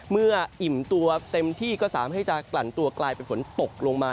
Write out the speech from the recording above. อิ่มตัวเต็มที่ก็สามารถให้จะกลั่นตัวกลายเป็นฝนตกลงมา